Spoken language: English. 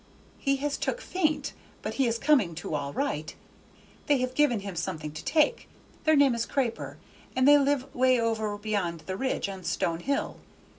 "He was took faint, but he is coming to all right; they have give him something to take: their name is Craper, and they live way over beyond the Ridge, on Stone Hill.